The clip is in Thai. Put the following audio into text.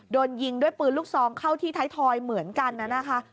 โดนยิงด้วยปืนลูกซองเข้าที่ไทยทอยเหมือนกันนะคะ